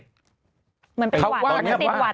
เหมือนไปหวัดติดหวัด